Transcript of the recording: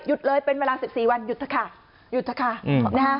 หยุดเลยเป็นเวลา๑๔วันหยุดค่ะหยุดค่ะ